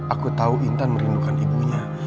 aku tahu intan merindukan ibunya